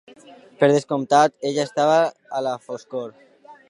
Per descomptat, ella estava a la foscor.